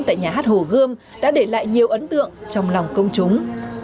tại nhà hát hồ gươm đã để lại nhiều ấn tượng trong lòng công chúng